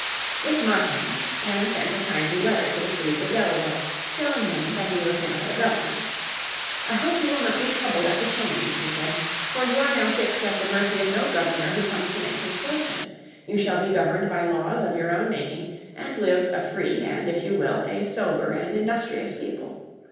With Markham, Penn sent a kindly letter to the Swedes of Delaware, telling them that he was now their Governor. "I hope you will not be troubled at the change," he said, "for you are now fixed at the mercy of no Governor who comes to make his fortune. You shall be governed by laws of your own making, and live a free and, if you will, a sober and industrious people.